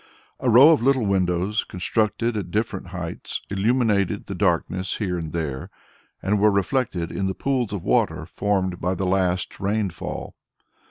A row of little windows, constructed at different heights, illuminated the darkness here and there, and were reflected in the pools of water formed by the last rain fall.